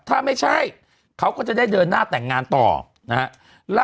ถ้าไม่ใช่เขาก็จะได้เดินหน้าแต่งงานต่อนะฮะ